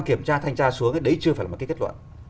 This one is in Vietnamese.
kiểm tra thanh tra xuống cái đấy chưa phải là một cái kết luận